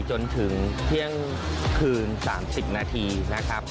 จนถึงเที่ยงคืน๓๐นาทีนะครับ